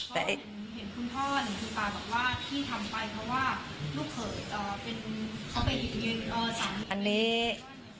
แต่เห็นคุณพ่อหรือคุณป่าว่าที่ทำไปเพราะว่าลูกเขาอยู่อีกต่างหนึ่ง